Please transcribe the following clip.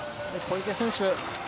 小池選手